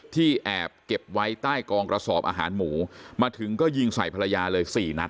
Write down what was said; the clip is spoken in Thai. ที่แอบเก็บไว้ใต้กองกระสอบอาหารหมูมาถึงก็ยิงใส่ภรรยาเลยสี่นัด